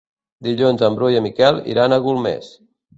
Dilluns en Bru i en Miquel iran a Golmés.